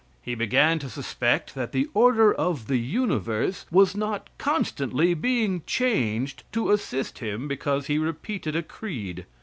He began to suspect that the order of the universe was not constantly being changed to assist him because he repeated a creed.